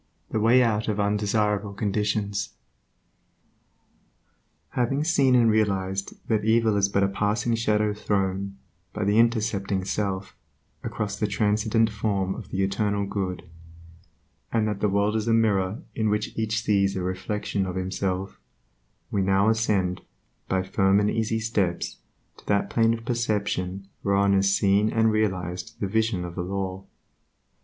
The way out of undesirable conditions Having seen and realized that evil is but a passing shadow thrown, by the intercepting self, across the transcendent Form of the Eternal Good, and that the world is a mirror in which each sees a reflection of himself, we now ascend, by firm and easy steps, to that plane of perception whereon is seen and realized the Vision of the Law.